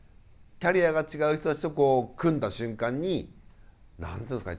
キャリアが違う人たちとこう組んだ瞬間に何て言うんですかね